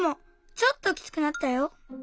ちょっときつくなったよ。